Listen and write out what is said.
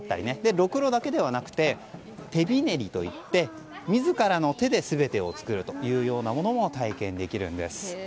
ろくろだけではなくて手びねりといって自らの手で全てを作るというものも体験できるんです。